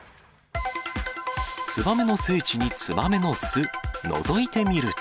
ツバメの聖地にツバメの巣。